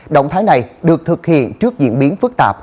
động thái này được thực hiện trước diễn biến phức tạp